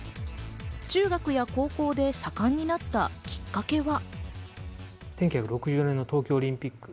中学や高校で盛んになったきっかけは。